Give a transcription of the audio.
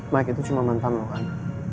mike itu cuma mantan lo kan